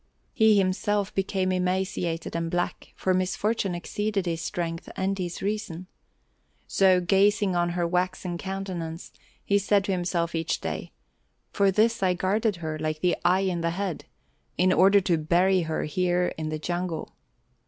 He himself became emaciated and black, for misfortune exceeded his strength and his reason. So, gazing on her waxen countenance, he said to himself each day: "For this I guarded her like the eye in the head; in order to bury her here in the jungle."